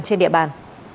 trên địa bàn